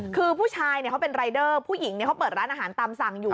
คือผู้ชายเขาเป็นรายเดอร์ผู้หญิงเขาเปิดร้านอาหารตามสั่งอยู่